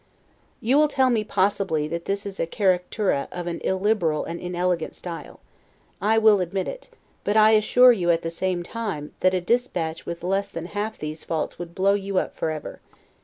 You will tell me, possibly, that this is a caricatura of an illiberal and inelegant style: I will admit it; but assure you, at the same time, that a dispatch with less than half these faults would blow you up forever.